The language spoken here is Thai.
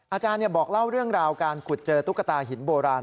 อาจารย์บอกเล่าเรื่องราวการขุดเจอตุ๊กตาหินโบราณ